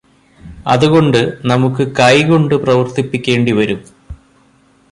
അതുകൊണ്ട് നമുക്ക് കൈകൊണ്ട് പ്രവര്ത്തിപ്പിക്കേണ്ടിവരും